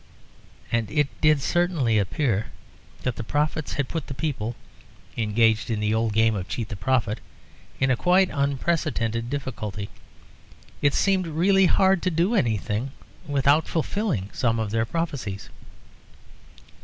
And it did certainly appear that the prophets had put the people (engaged in the old game of Cheat the Prophet) in a quite unprecedented difficulty. It seemed really hard to do anything without fulfilling some of their prophecies.